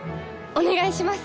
お願いします！